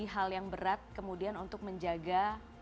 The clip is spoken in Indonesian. hal yang berat kemudian untuk menjaga